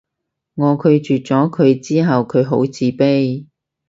我拒絕咗佢之後佢好自卑